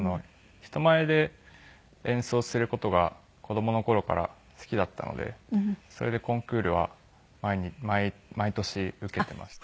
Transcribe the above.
人前で演奏する事が子供の頃から好きだったのでそれでコンクールは毎年受けていましたね。